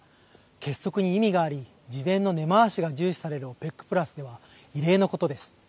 結束に意味があり、事前の根回しが重視されるＯＰＥＣプラスでは異例のことです。